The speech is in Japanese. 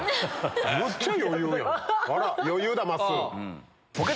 むっちゃ余裕やん。